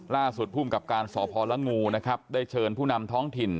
ล่าสุดภูมิกับการสพละงูนะครับได้เชิญผู้นำท้องถิ่น